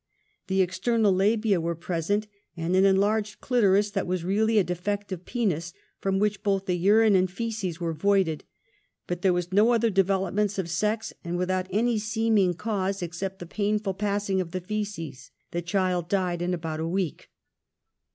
The external labia were present and an enlarged clitoris that was really a defective penis, from which both the urine and the feces w^ere voided, but there was no other developments of sex, and without any seaming cause except the painful passing of the feces the child died in about a week.